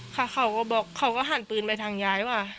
เขาก็หันปืนไปทางย้ายว่า